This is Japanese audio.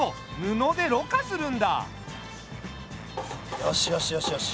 よしよしよしよし。